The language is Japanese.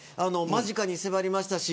間近に迫りましたし